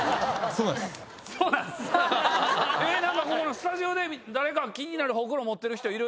スタジオで誰か気になるホクロ持ってる人いる？